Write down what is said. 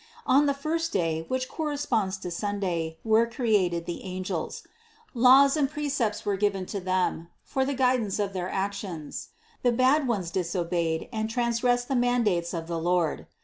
On the first day, which corresponds to Sun day, were created the angels; laws and precepts were given to them, for the guidance of their actions. The bad ones disobeyed and transgressed the mandates of the Lord.